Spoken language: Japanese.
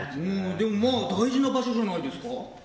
でも、まあ大事な場所じゃないですか？